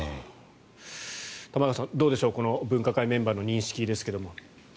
玉川さん、どうでしょう分科会メンバーの認識ですが。